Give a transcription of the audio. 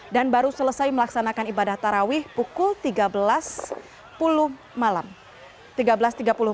dan baru selesai melaksanakan ibadah tarawih pukul tiga belas tiga puluh malam